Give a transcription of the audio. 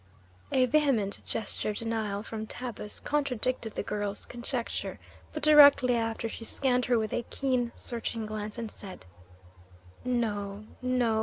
A vehement gesture of denial from Tabus contradicted the girl's conjecture; but directly after she scanned her with a keen, searching glance, and said: "No, no.